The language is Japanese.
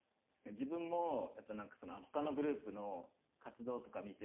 自分もやっぱ何かほかのグループの活動とか見て